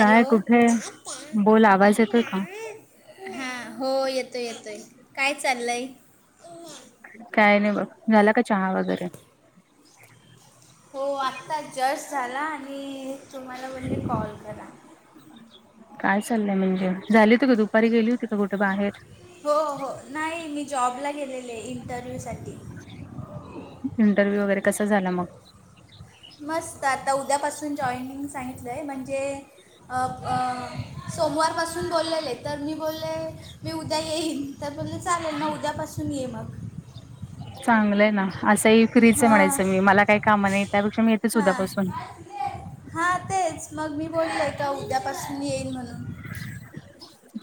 काय? कुठे? बोल आवाज येतोय का? हा हो येतोय येतोय काय चाललय. काय नाही बघ, झाला का चहा वगैरे? हो आत्ता जस् झाला आणि तुम्हाला बोलले कॉल करा. काय चाललंय म्हणजे झाली हो त का दुपारी गेली होती का कुठं बाहेर? हो हो, नाही मी जॉबला गेलेले इंटरव्ह्यू साठी इंटरव्ह्यू वगैरे कस झाला मग? मस्त आता उद्यापासून जॉईनिंग सांगितलं आहे म्हणजे सोमवारपासून बोललेले तर मी बोलले मी उद्या येईन तर बोलले चालेल मग उद्यापासून ये मग चांगलंय ना असंही फ्रीच हां म्हणायचं मी मला काही काम नाही त्यापेक्षा मी येते उद्याच हां पासून हा तेच मग मी बोलले का उद्यापासून येईन म्हणून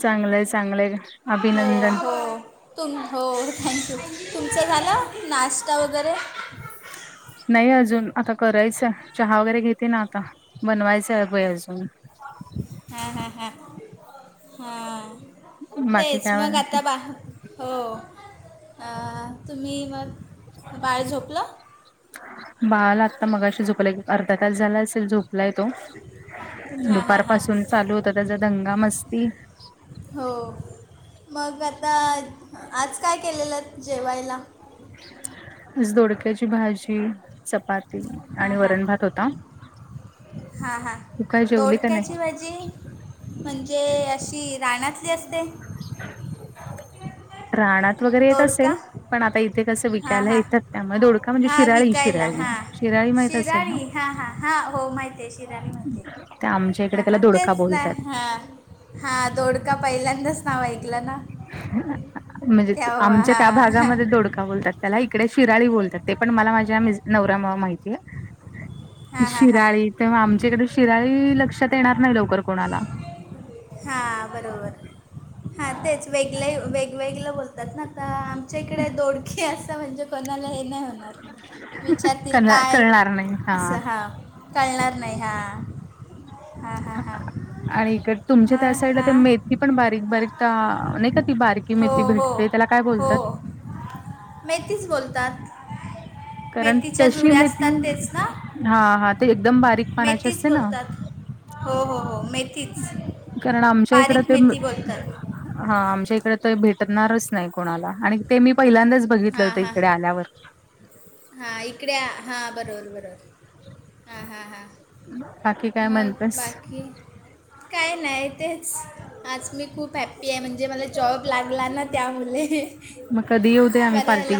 चांगलंय चांगलंय. हो अभिनंदन हो तुम हो थँक्यू तुमचं झालं नाश्ता वगैरे? नाही अजून आता करायचंय, चहा वगैरे घेते ना आता बनवायचंय अ वय अजून हा हा हा हा बाकी तेच काय मग म्हणते आता बा हो तुम्ही मग बाळ झोपलं? बाळा आत्ता मगाशी झोपला अर्धा तास झाला असेल झोप ला य तो हां दुपार हां हां पाासून चालू होता त्याचा दंगा मस्ती हो मग आता आज काय केलेलं जेवायला? दोडक्याची भाजी. चपाती हां आणि हां वरण भात होता. तू काय जेवली का नाही? ती म्हणजे अशी रानातली असते. [unintelligible] रांणात वगैरे येत दोडका असेल पण आता इथे कसं हां विकायला हां येतात त्यामुळे दोडका म्हणजे शिराळी शिराळी शिराळी माहित असेल ना? शिराणी हा हा हा हो माहितय शिराणी म त्या आमच्या इकडे हा त्याला ह दोडका तेच ना बोलतात हा हा दोडका पहिल्यांदाच ना ऐकलं ना म्हणजे तेव्हा आमच्या त्या हां भागामध्ये दोड काय बोलतात त्याला इकडे शिराळी बोलतात ते पण मला माझ्या मि नवऱ्या मूळ माहितीय ती हां हां हां शिराळी त आमच्याकडे शिराळी लक्षात येणार नाय लवकर कोणाला हा बरोबर हा तेच वेगले वेगवेगल बोलतात ना आता आमच्या इकडे दोडकी असं म्हणजे कोणाला हे हे नाय होणार विचारतील काय? कारणे हा असं हां कळणार नाही हां हां हां हां आणि इकड तुमच्या त्या मग साईडला ते हां मेथी पण बारीक बारीक ता नाय का ती बारकी हो मेथी हो भेटते त्याला काय बोलतात? हो मेथीच बोलतात. कारण मेथीच्या तशी जुड्या मेथी असतात तेच ना हा हा ती एकदम बारीक पाणाची मेथीच असते ना बोलतात हो हो हो मेथीच कारण आमच्या इकडं बारीक ते मेथी बोलतात. हा आमच्या इकडे तर भेटणारच नाय कोणाला आणि ते मी पहिल्यांदाच बघितलं होतं इकडे आल्यावर हा इकडे हा बरोबर बरोबर. हा हा हा बाकी काय मग म्हणतेस बाकी काय नाय तेच आज मी खूप हॅपी आहे म्हणजे मला जॉब लागला ना त्यामुले. मग कधी उ बरं झाल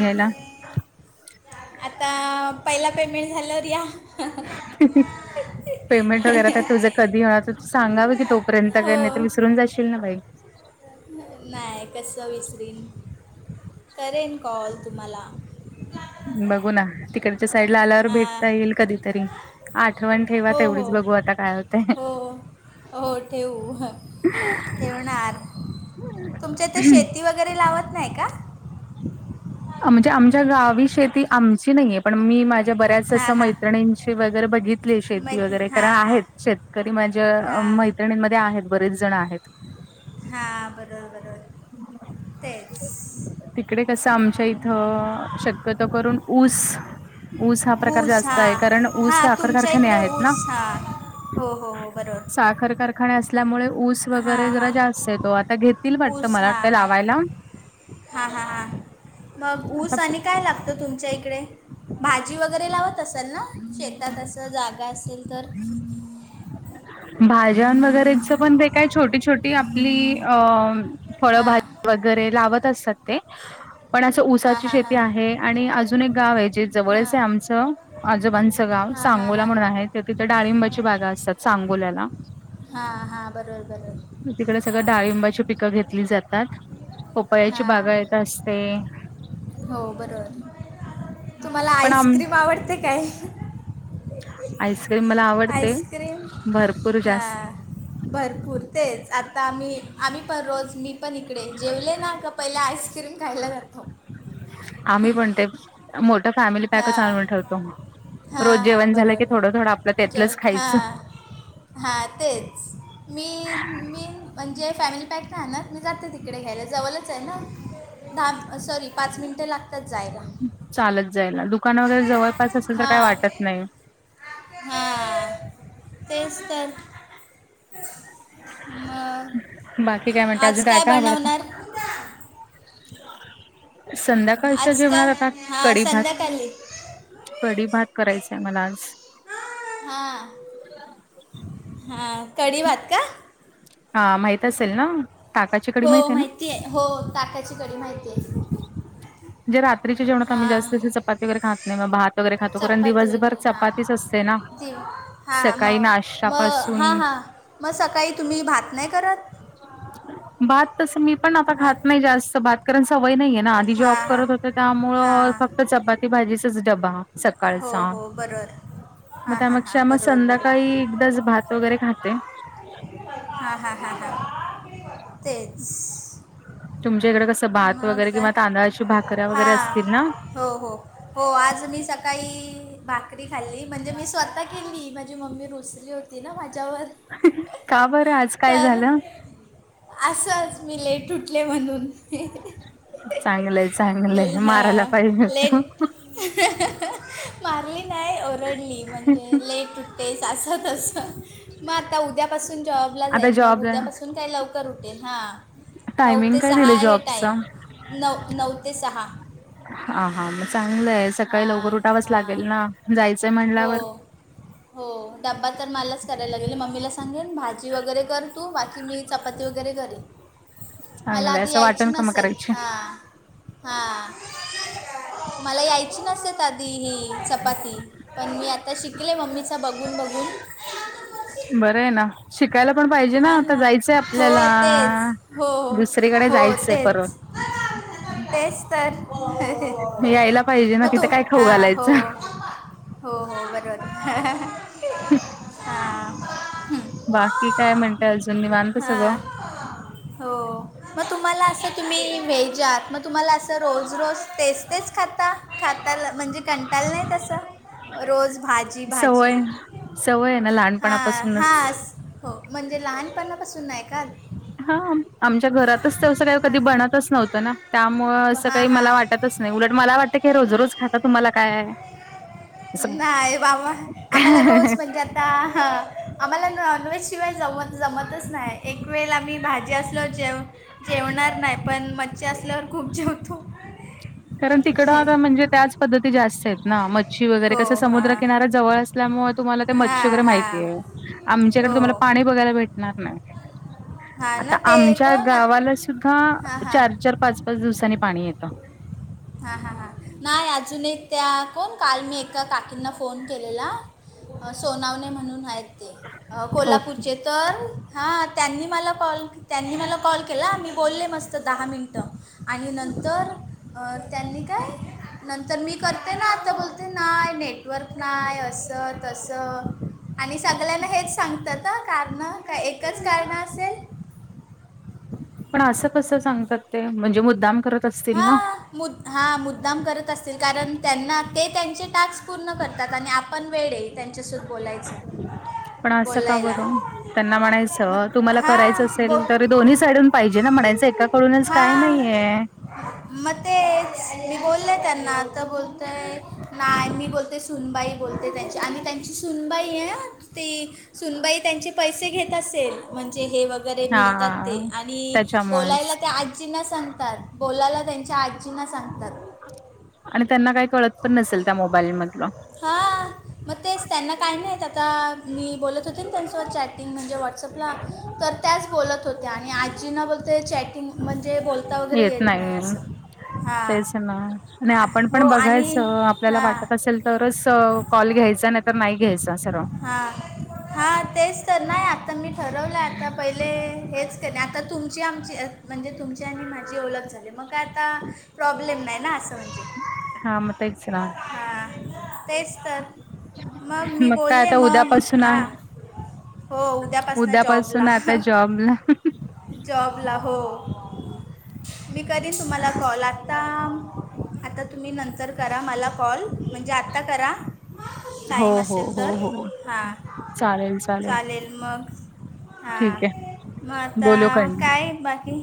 आता पहिला पेमेंट झाल्यावर या [unintelligible] पेमेंट वगैेरे आता तुझ कधी होणार तर तू सांगाव की तोपर्यंत हो काय नायतर विसरून जाशील ना बाई. नाय कसं विसरीन करेन कॉल तुम्हाला बघू ना तिकडच्या साईड ला आल्यावर हां भेटता येईल कधीतरी आठवण ठेवा हो हो तेवढीच बघू आता काय होतय. हो हो ठेवू ठेवणार. [unintelligible] ती वगैरे लावत नाही का? आ म्हणजे आमच्या गावी शेती आमची नाहीये पण मी माझ झ्या बऱ्याचंशा अशा हां हां मैत्रिणींशी वगैरे बघितली शेती माहिती वगैरे हां कारण हां आहेत शेत कधी माझ्या हां मैत्रिणींमध्ये आहेत बरेच जण आहेत. हा बरोबर बरोबर तेच तिकडे कसं आमच्या इथं शक्यतो करून ऊस ऊस हा प्रकार ऊस जास्त आहे हां कारण ऊस हां साखर तुमच्या कारखाने इकडे आहेत ना. ऊस हां हो हो हो बरोबर साखर कारखाने असल्यामुळे ऊस हां वगैरे जरा हां जास्त येतो आता घेतील वाटतं मला वाटत लावायला. हा हा हा मग आता ऊस आणि काय लाग त तुमच्या इकडे भाजी वगैरे लावत असाल ना शेतात असं जागा असेल तर [unintelligible] भाज्यां वगैरेचं पण ते काय छोटी छोटी आपली अ फळ हां भाज्या वगैरे लावत असतात ते पण असं हां ऊसाची हां शेती हां आहे आणि अजून एक गाव आहे जे जवळच हां ये आमचं आजोबांचं गाव हां हां सांगोला हां म्हणून आहे त तिथे डाळिंबाची बागा असतात सांगोल्याला. हा हा. बरं बरं. तिकडे सगळं डाळिंबाची पिकं घेतली जातात, पोपयाची बागा हां येत अस ते. हो बरोबर तुम्हाला पण आम आईस्क्रीम आवडते काय? आईस्क्रीम मला आवडते आईस्क्रीम भरपूर हा जास्त भरपूर तेच आता आम्ही आम्ही पण रोज मी पण इकडे जेवले ना का पहिले आईस्क्रीम खायला जातो. आम्ही पण ते, मोठ फॅमिली पॅकच हां आणून ठरतो. हां रोज हां जेवण झालं की थोडं बरोबर थोडं आपलं त्यातलंच खायचं. हा तेच. मी मी म्हणजे फॅमिली पॅक नाही आहे ना मी जाते तिकडे घ्यायला जवळच आहे ना. दहा सॉरी पाच मिनिटे लागतात जायला. चालत जायला दुकान वगैरे जवळपास असेल तर काय वाटत नाही. हा, तेच तर म बाकी काय म्हणते अजून काय काय आवडत, आज काय संध्या हां कडी भात, संध्याकाळी कढी भात करायचंय मला आज. हा. हा कढीवात का? हा माहित असेल ना. ताकाची कडी हो माहित ना? माहिती आहे हो ताकाची कडी माहितीय. जे रात्री जेवण आम्ही जास्त अस हां चपाती वगैर खात नाही भात वगैरे खातो कारण चपाती दिवसभर वगैरे हां चपातीच असते ना ती हां सकाळी मग मग नाष्ट्यापासून हां हां मग सकाळी तुम्ही भात नाही करत. बात तस मी पण आता खात भात नाही जास्त बात कारण सवय नाहीे ना. जॉब हां हां करत होते त्यामुळ फक्त हां चपाती भाजीचाच डबा. हो सकाळचा. हो बरोबर. मग हां हां त्यामग हां [unintelligible] मग बरोबर बरोबर संध्याकाळी एकदाच भात वगैरे खाते. हा हा हा हा, तेच. तुमच्या इकडे कसं भात मग वगैरे काय किंवा तांदळाच्या भाकऱ्या वगैरे असतील ना. हां हो हो, हो आज मी सकाळी भाकरी खाल्ली म्हणजे मी स्वतः केली माझी मम्मी रुसली होती ना माझ्यावर. का बरं आज काय तर झालं? असंच मी लेट उठले म्हणून. चांगलंय चांगलंय मारायला हां, पाहिजे लेट [unintelligible] मारली नाही ओरडली म्हणजे लेट उटतेस असं तसं. मग आता उद्यापासून जॉबला आता जाईन मग जॉबला उद्यापासून काही लवकर उठेल हा. नऊ टायमिंग ते काय सहा दिलंय आहे टाईम, जॉबचं? नऊ नऊ ते सहा. हा हा मग चांगलंय सकाळी हां लवकर उठावच हां लागेल ना जायचंय म्हणल्यावर हो हो डबा तर मलाच करायला लागेल मम्मीला सांगेन भाजी वगैरे कर तू बाकी मी चपाती वगैरे करेन. मला चांगलंय आधी असं यायची वाटण कामं नसेत करायची हा. हा, मला यायची नसते आधी ही. चपाती, पण मी आता शिकले मम्मीचा बघून बघून. बरं आहे ना शिकायला पण पाहिजे ना आता जायचंय आपल्याला. तेच हो हो, दुसरीकडे हो जायचंय परत. तेच. तेच तर. यायला पाहिजे ना मग तिथं तू काय खाऊ हां घालायचं. हो हो हो बरोबर. हां बाकी काय म्हणतेय अजून निवांत सगळं. हां हो. मग तुम्हाला असं तुम्ही भेजात मग तुम्हाला असं रोज रोज तेच तेच खाता खाताला म्हणजे कंटाला नाही तसं रोज भाजी भाजी, सवय सवय आहे ना हां लहानपणापासूनच हां. हो म्हणजे लहानपणापासून नाही का. हा आमच्या घरातच तेसं काही हां कधी हां बनतच नव्हतं ना त्यामुळ असं हां काही हां मला वाटत. नाही उलट मला वाटतं. हे रोज रोज खातं तुम्हाला काय आहे. हाह आम्हाला नॉनव्हेज शिवाय जमत जमतच नाही एक वेळ आम्ही भाजी असलो जेव. जेवणार नाही पण मज्जा असल्यावर खूप जेवतो. कारण तिकडंता म्हणजे त्याच पद्धती जास्त आहेत ना मच्छी वगैरे हो कसं हां समुद्रकिनाऱ्या जवळ. त्यामुळे तुम्हाला ते मच्छी वगैरे हां हां माहितीय आहे आमच्याकडे हो तुम्हाला पाणी बघायला भेटणार नाही. हा ना आता ते आमच्या कोण आत- गावाला सुद्धा हा हा चार चार पाच पाच दिवसांनी पाणी येतं हा हा हा नाही अजून एक त्या कोण काल मी एका काकींना फोन केलेला सोनावणे म्हणून आहेत ते ओके कोल्हापूरचे तर हा त्यांनी मला कॉल त्यांनी मला कॉल केला आम्ही खोलले मस्त दहा मिनटं आणि नंतर अ त्यांनी काय नंतर मी करते ना आता बोलते नाही नेटवर्क नाही असं तस. आणि सगळ्यांना हेच सांगत कारणं का एकच कारणं असेल. पण असं कसं सांगतात ते म्हणजे मुद्दाम करत असतील ना. मुद्दाम हा मुद्दाम करत असतील कारण त्यांना ते त्यांचे टास्क पूर्ण करतात आणि आपण वेडे. त्यांच्यासोबत बोलायचं. पण असं का बोलायला बरं त्यांना म्हणायचं मग तुम्हाला हा करायचं बो असेल तरी दोन्ही साईडून पाहिजे ना म्हणायचं एका. कूनच काय हा नाहीये. मग ते मी बोललय त्यांना तर बोलतय नाही मी बोलते. सुनबाई बोलते त्यांची आणि त्यांची सुनबाई आहे ती. सुनबाई त्यांचे पैसे घेत असेल म्हणजे हे व. वगैरे मिळतात ते हा आणि बोलायला त्याच्यामुळेच ते आजींना सांगतात. बोलाला त्यांच्या आजींना सांगतात. आणि त्यांना काही कळत पण नसेल त्या मोबाईल मधलं. हा मग तेच त्यांना काही नाहीत आता मी बोलत. होते त्यांचं चॅटिंग म्हणजे व्हॉट्सअपला तर त्याच बोलत होते्या आणि आजीं बोलते चॅट. टिंग म्हणजे बोलता वगैरे येत नाही असं. हां तेच ना आणि आपण हो पण आणि बघायच. आपल्याला हां वाटत असेल तरच कॉल घ्यायचा नाही तर नाही घ्यायचा सर्व. हा तेच तर नाही आता मी ठरवलं आता पै. आप हेच करणे आता तुमची आमची म्हणजे तुमची आणि माझी ओळख झाली मग आता. प्रॉब्लेम नाही ना अस. हा म ते ना. हां तेच तर मग मी काय बोलले आता मग उद्यापासून हां. आहे हो उद्यापासन जॉबला. उद्यापासून आता जॉबला. जॉब ला हो. मी करी तुम्हाला कॉल आता आता तुम्ही नंतर करा मला कॉल. म्हणजे आत्ता करा हो टाईम हो असेल हो तर हो हां. चालेल मग. हा ठीक आहे मग आता बोलू कं काय बाकी.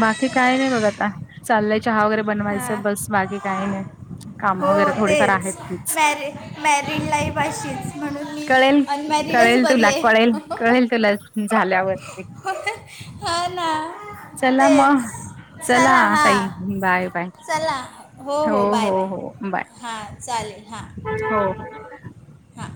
बाकी काय नाही बघ आता चाललाय चहा वगैरे हां बनवायचं बस बागे. काही नाही काम हो वगैरे थोडीफार तेच आहेत. मॅरि मॅरिड लाईफ अशीच म्हणून मी कळेल अनमॅरिडच कळेल बरी तुला आहे कळेल कळेल तुला झाल्यावर. हो ना चला मग तेच चला हा ताई बाय बाय चला हो हो बाय बाय हां चालेल हां हो, हो हा.